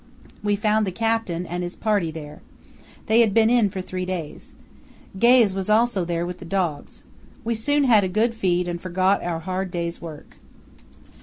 We found the Captain and his party there. They had been in for three days. Gaze was also there with the dogs. We soon had a good feed and forgot our hard day's work."